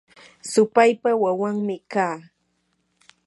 supaypa wawanmi kaa.